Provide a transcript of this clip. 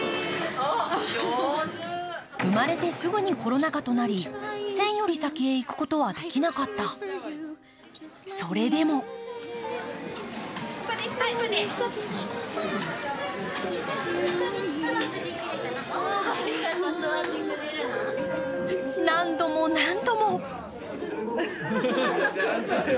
生まれてすぐにコロナ禍となり線より先へ行くことはできなかった、それでも何度も、何度も。